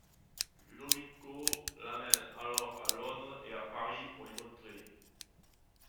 Ludovico l’emmène alors à Londres et à Paris pour l'y montrer.